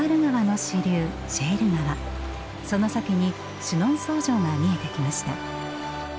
その先にシュノンソー城が見えてきました。